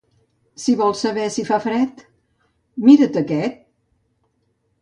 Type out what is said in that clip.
Si vols saber si fa fred, mira't aquest!